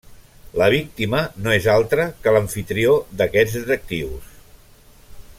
La víctima no és altra que l'amfitrió d'aquests detectius.